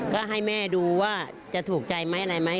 ก็ให้แม่ดูว่าจะถูกใจไหมอะไรไหม